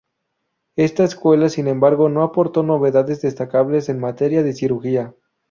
Esta escuela sin embargo no aportó novedades destacables en materia de cirugía.